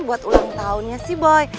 buat ulang tahunnya si boy